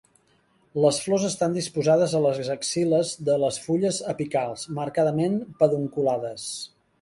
Les flors estan disposades a les axil·les de les fulles apicals, marcadament pedunculades.